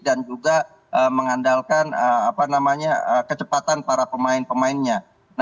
dan juga mengandalkan kecepatan para pemain pemainnya